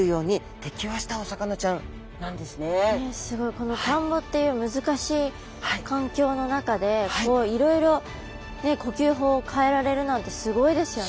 この田んぼっていう難しい環境の中でいろいろ呼吸法を変えられるなんてすごいですよね。